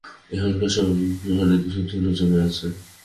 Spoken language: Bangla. এখানকার সবখানে ধূসর ধুলো জমে আছে।